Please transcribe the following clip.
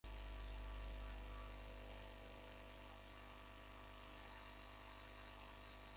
তাদেরকে তাদের নারী ও শিশুদের থেকেও আলাদা করা হবেনা।